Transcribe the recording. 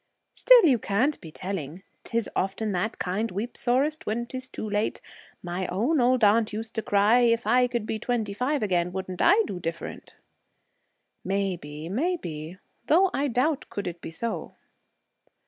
'Still, you can't be telling. 'Tis often that kind weeps sorest when 'tis too late. My own old aunt used to cry, "If I could be twenty five again, wouldn't I do different!"' 'Maybe, maybe, though I doubt could it be so.'